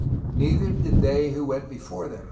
Neither did they who went before them.